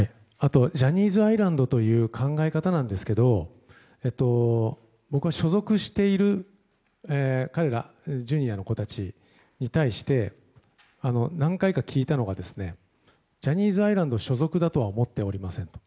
ジャニーズアイランドという考え方なんですけど僕は、所属している彼らＪｒ．の子たちに対して何回か聞いたのがジャニーズアイランド所属だとは思っておりませんと。